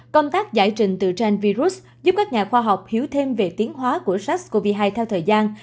công tác giải trình từ trang virus giúp các nhà khoa học hiểu thêm về tiến hóa của sars cov hai theo thời gian